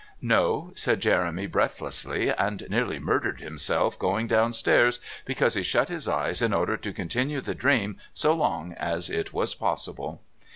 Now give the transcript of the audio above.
"No," said Jeremy breathlessly, and nearly murdered himself going downstairs because he shut his eyes in order to continue the dream so long as it was possible.